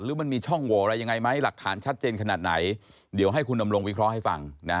มันมีช่องโหวอะไรยังไงไหมหลักฐานชัดเจนขนาดไหนเดี๋ยวให้คุณดำรงวิเคราะห์ให้ฟังนะ